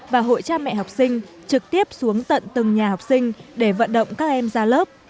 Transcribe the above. và hội cha mẹ học sinh trực tiếp xuống tận từng nhà học sinh để vận động các em ra lớp